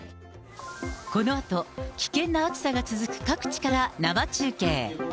このあと、危険な暑さが続く各地から生中継。